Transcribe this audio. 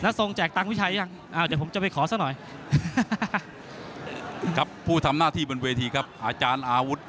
นัททรงแตกตรงพี่ชัยหรือยังอ้าวเดี๋ยวผมจะไปขอซะหน่อย